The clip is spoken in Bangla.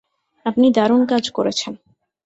আপনি দারুণ কাজ করেছেন।